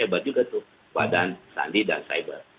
hebat juga tuh badan sandi dan cyber